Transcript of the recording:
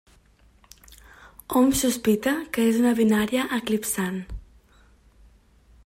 Hom sospita que és una binària eclipsant.